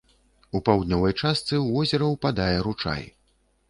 У паўднёвай частцы ў возера ўпадае ручай.